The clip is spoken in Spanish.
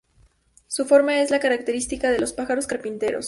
Su forma es la característica de los pájaros carpinteros.